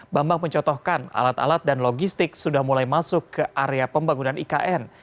bambang mencotohkan alat alat dan logistik sudah mulai masuk ke area pembangunan ikn